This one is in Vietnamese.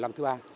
năm thứ ba